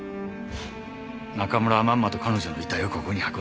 中村はまんまと彼女の遺体をここに運んだ。